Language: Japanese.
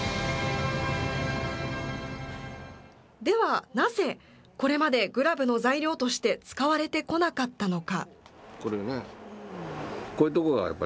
ではなぜ、これまでグラブの材料として使われてこなかったのか。